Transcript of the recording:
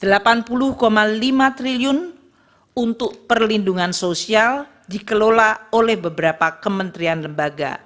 rp delapan puluh lima triliun untuk perlindungan sosial dikelola oleh beberapa kementerian lembaga